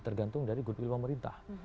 tergantung dari goodwill pemerintah